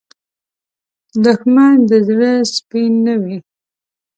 دښمن د زړه سپین نه وي